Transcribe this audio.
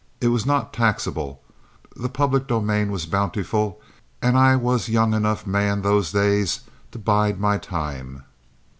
It was not taxable, the public domain was bountiful, and I was young enough man those days to bide my time.